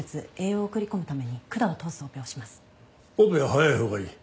オペは早いほうがいい。